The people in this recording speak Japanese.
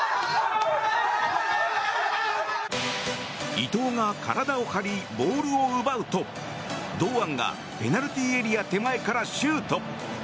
伊東が体を張りボールを奪うと堂安がペナルティーエリア手前からシュート！